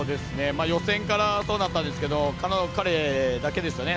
予選からそうだったんですけど彼だけですよね。